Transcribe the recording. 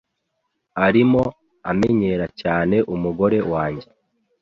Arimo amenyera cyane umugore wanjye.